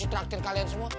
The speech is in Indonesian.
gue traktir kalian semua